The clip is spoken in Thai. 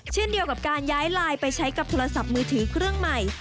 เช่นเดียวกับการย้ายไลน์ไปใช้กับโทรศัพท์มือถือเครื่องใหม่